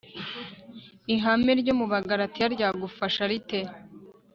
ihame ryo mu bagalatiya ryagufasha rite